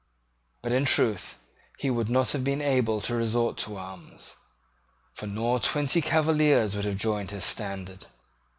But, in truth, he would not have been able to resort to arms; for nor twenty Cavaliers would have joined his standard.